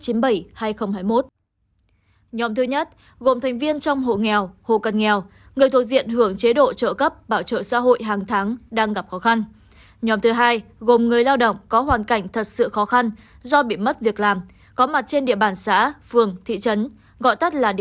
sống phụ thuộc sống chung với một hộ đang có mặt trên địa bàn tại thời điểm khảo sát và lập danh sách